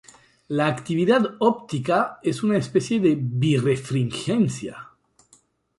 La actividad óptica es una especie de birrefringencia.